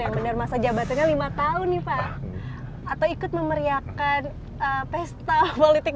yang benar masa jabatannya lima tahun nih pak